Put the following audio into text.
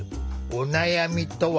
お悩みとは？